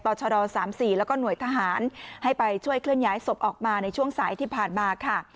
ชด๓๔แล้วก็หน่วยทหารให้ไปช่วยเคลื่อนย้ายศพออกมาในช่วงสายที่ผ่านมาค่ะ